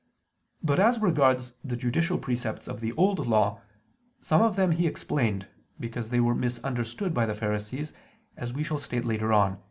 But as regards the judicial precepts of the Old Law, some of them He explained, because they were misunderstood by the Pharisees, as we shall state later on (A.